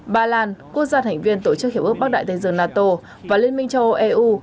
ba lan quốc gia thành viên tổ chức hiểu ước bắc đại tây dương nato và liên minh châu âu eu